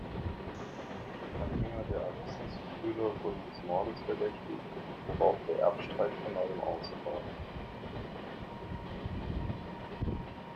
Anhänger der Avesnes-Brüder wurden des Mordes verdächtigt, worauf der Erbstreit von neuem ausbrach.